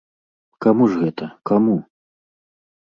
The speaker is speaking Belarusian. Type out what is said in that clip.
Каму ж гэта, каму?